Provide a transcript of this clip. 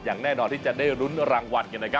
อายุแน่นอนจะได้รุ้นรางวัล